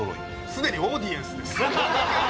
すでにオーディエンスです。